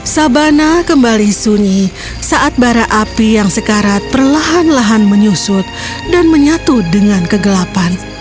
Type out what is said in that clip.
sabana kembali sunyi saat bara api yang sekarat perlahan lahan menyusut dan menyatu dengan kegelapan